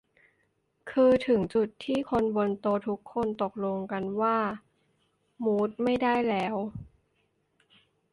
คือถึงจุดที่คนบนโต๊ะทุกคนตกลงกันว่า มู้ดไม่ได้แล้ว